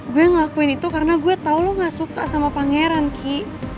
gue ngelakuin itu karena gue tau lo gak suka sama pangeran ki